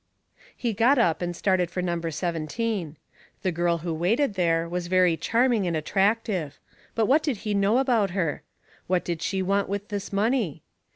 He got up and started for number seventeen. The girl who waited there was very charming and attractive but what did he know about her? What did she want with this money?